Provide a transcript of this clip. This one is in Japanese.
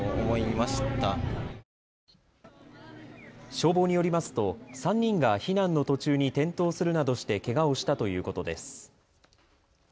消防によりますと３人が避難の途中に転倒するなどしてけがをしたということです。